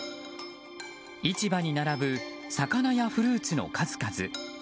市場に並ぶ魚やフルーツの数々。